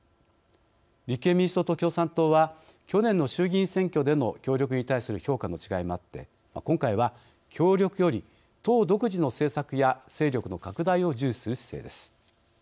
立憲民主党と共産党は去年の衆議院選挙での協力に対する評価の違いもあって今回は協力より党独自の政策や勢力の拡大を重視する姿勢です。